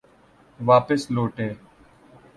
واپس لوٹے۔